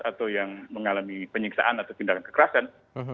atau yang mengalami penyiksaan atau tindakan kekerasan